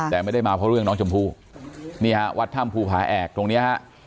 แต่ไม่ได้มาเพราะเรื่องน้องชมพู่นี่ฮะวัดถ้ำภูผาแอกตรงเนี้ยฮะ